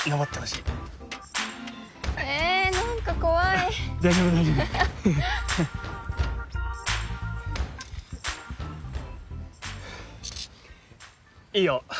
いいよ。